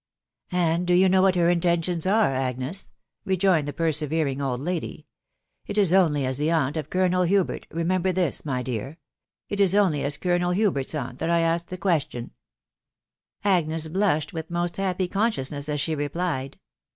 " And do you know what her intentions are, Agnes ?" ad joined the persevering old lady. " It is only as the aunt at Colonel Hubert .... remember this, my dear ••.. it m oaly as Colonel Hubert's aunt that I ask the question/* Agnes bmshed with most happy consciousness as. the «e plied.